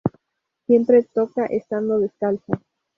Siempre toca estando descalza.